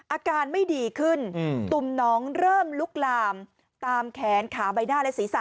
อาการไม่ดีขึ้นตุ่มน้องเริ่มลุกลามตามแขนขาใบหน้าและศีรษะ